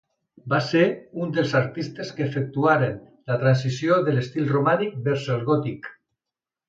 Va ser un dels artistes que efectuaren la transició de l'estil romànic vers el gòtic.